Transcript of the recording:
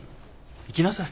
行きなさい。